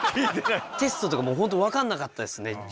テストとかもうほんと分かんなかったですね。